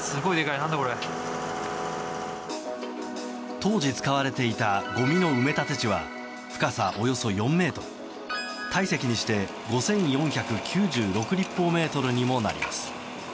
当時使われていたごみの埋め立て地は深さおよそ４ｍ体積にして５４９６立方メートルにもなります。